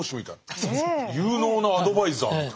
有能なアドバイザーみたいな。